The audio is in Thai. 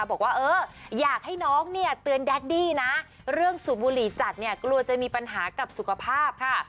บอกว่าเอออยากให้น้องเนี่ยเตือนแดดดี้นะเรื่องสูบบุหรี่จัดเนี่ยกลัวจะมีปัญหากับสุขภาพค่ะ